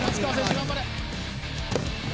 頑張れ。